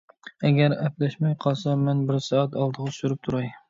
ئەگەر ئەپلەشمەي قالسا، مەن بىر سائەت ئالدىغا سۈرۈپ تۇراي.